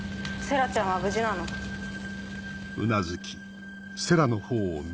星来ちゃんは無事なの？